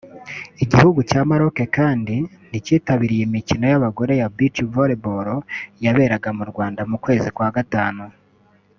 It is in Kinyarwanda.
Igihugu cya Maroc kandi nticyitabiriye imikino y’abagore ya Beach volley yaberaga mu Rwanda mu kwezi kwa gatanu